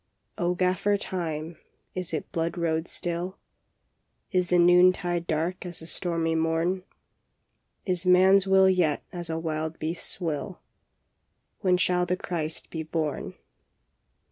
" O Gaffer Time, is it blood road still? Is the noontide dark as the stormy morn? Is man s will yet as a wild beast s will? When shall the Christ be born?